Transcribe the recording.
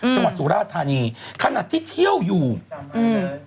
จังหวัดสุราธานีขนาดที่เที่ยวอยู่อืม